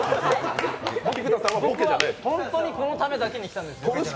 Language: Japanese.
僕はホントにこのためだけに来たんです。